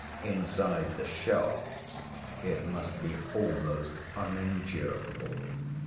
Inside the shops it must be almost unendurable.